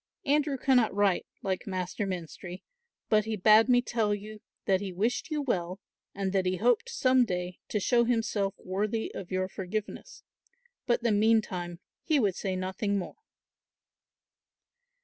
"Andrew cannot write, like Master Menstrie, but he bade me tell you that he wished you well and that he hoped some day to show himself worthy of your forgiveness, but that meantime he would say nothing more."